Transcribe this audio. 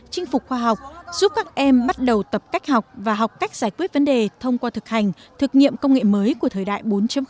chinh phục khoa học giúp các em bắt đầu tập cách học và học cách giải quyết vấn đề thông qua thực hành thực nghiệm công nghệ mới của thời đại bốn